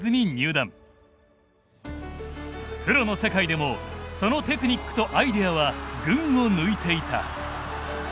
プロの世界でもそのテクニックとアイデアは群を抜いていた。